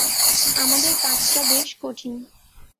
আমাদের কাজটা বেশ কঠিন।